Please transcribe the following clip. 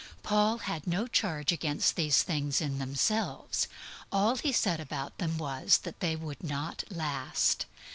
Paul had no charge against these things in themselves. All he said about them was that they would not last.